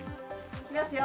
いきますよ。